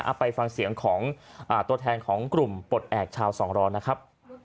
ไปฟังเสียงของตัวแทนของกลุ่มปลดแอบชาวสองร้อนนะครับ